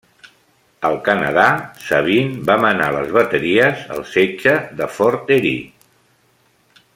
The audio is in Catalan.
Al Canadà, Sabine va manar les bateries al setge de Fort Erie.